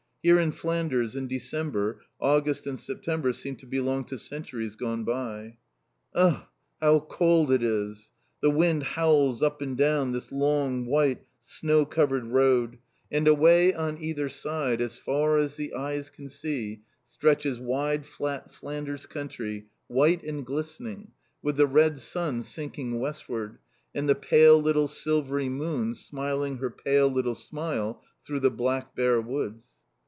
Here in Flanders, in December, August and September seem to belong to centuries gone by. Ugh! How cold it is! The wind howls up and down this long, white, snow covered road, and away on either side, as far as the eyes can see, stretches wide flat Flanders country, white and glistening, with the red sun sinking westward, and the pale little silvery moon smiling her pale little smile through the black bare woods.